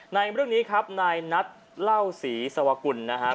ในเรื่องนี้ครับนายนัทเล่าศรีสวกุลนะครับ